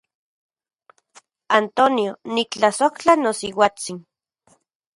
Antonio, niktlasojtla nosiuatsin.